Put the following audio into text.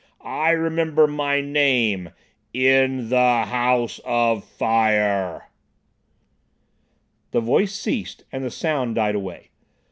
I remember my name—in—the—House—of—Fire!" The voice ceased and the sound died away.